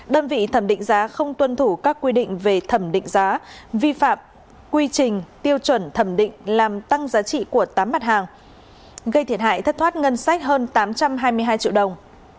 đơn vị thẩm định giá không tuân thủ các quy định về thẩm định giá vi phạm quy trình tiêu chuẩn thẩm định làm tăng giá trị của tám mặt hàng gây thiệt hại thất thoát ngân sách hơn tám trăm hai mươi hai triệu đồng